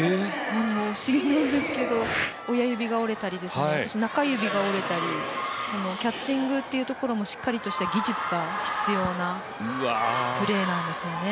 不思議なんですけど親指が折れたり私、中指が折れたりキャッチングっていうところもしっかりとした技術が必要なプレーなんですよね。